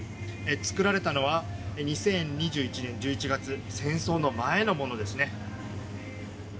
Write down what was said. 作られたのは２０２１年１１月戦争の前のものですね。